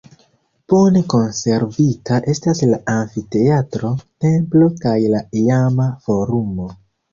Bone konservita estas la amfiteatro, templo kaj la iama forumo.